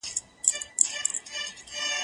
زه له سهاره د ښوونځی لپاره امادګي نيسم!.